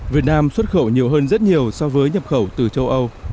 việt nam xuất khẩu nhiều hơn rất nhiều so với nhập khẩu từ châu âu